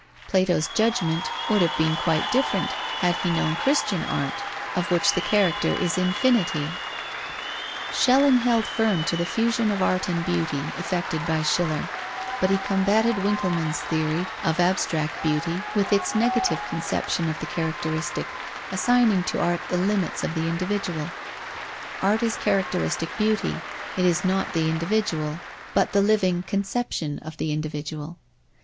Plato's judgment would have been quite different had he known Christian art, of which the character is infinity. Schelling held firm to the fusion of art and beauty effected by Schiller, but he combated Winckelmann's theory of abstract beauty with its negative conception of the characteristic, assigning to art the limits of the individual. Art is characteristic beauty; it is not the individual, but the living conception of the individual.